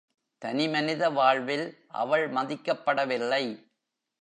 தனி மனித வாழ்வில் அவள் மதிக்கப்படவில்லை.